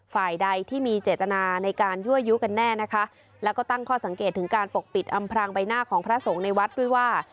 ฝ่ายใดที่มีเจตนาในการยั่วยุกันแน่นะคะแล้วก็ตั้งข้อสังเกตถึงการปกปิดอำพรางใบหน้าของพระสงฆ์ในวัดด้วยว่า